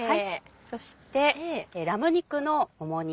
そしてラム肉のもも肉。